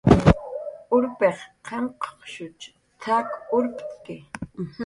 "Urpiq qanqshuch t""ak urpt'ku"